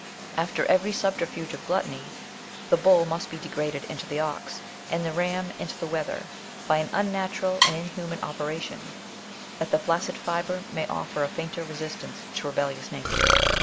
After every subterfuge of gluttony, the bull must be degraded into the ox, and the ram into the wether, by an unnatural and inhuman operation, that the flaccid fibre may offer a fainter resistance to rebellious nature.